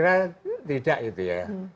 saya tidak itu ya